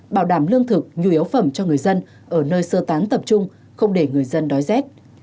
bảo đảm lương thực nhu yếu phẩm cho người dân ở nơi sơ tán tập trung không để người dân đói rét